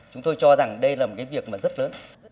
chúng tôi cho rằng đây là một cái việc mà rất lớn